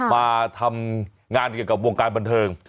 มาทำงานเกี่ยวกับวงการบันเทิง